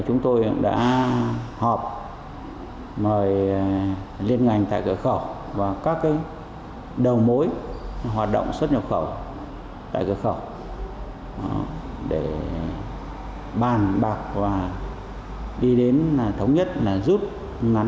chúng tôi cũng đã họp mời liên ngành tại cửa khẩu và các đầu mối hoạt động xuất nhập khẩu tại cửa khẩu để bàn bạc và đi đến thống nhất là rút ngắn